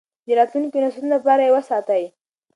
د راتلونکو نسلونو لپاره یې وساتئ.